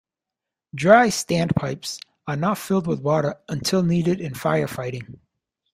Dry standpipes are not filled with water until needed in fire fighting.